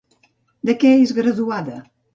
De què és graduada?